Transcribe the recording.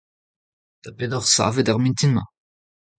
Da bet oc'h savet er mintin-mañ ?